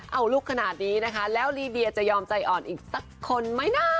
เอาลูกขนาดนี้นะคะแล้วลีเดียจะยอมใจอ่อนอีกสักคนไหมนะ